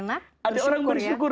ada orang bersyukur